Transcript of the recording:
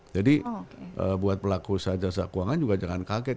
jadi buat pelaku saja jasa keuangan juga jangan kaget